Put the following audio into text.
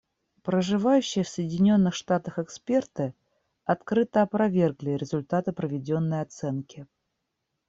Проживающие в Соединенных Штатах эксперты открыто опровергли результаты проведенной оценки.